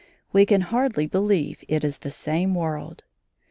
We can hardly believe it is the same world.